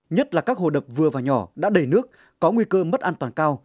nhất là các hồ đập vừa và nhỏ đã đầy nước có nguy cơ mất an toàn cao